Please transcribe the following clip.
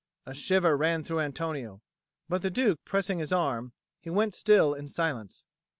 A shiver ran through Antonio; but the Duke pressing his arm, he went still in silence.